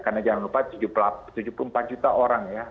karena jangan lupa tujuh puluh empat juta orang ya